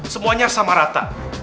semuanya sama rata